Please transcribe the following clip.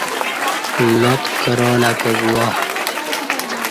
لات کرالہ کہ گوا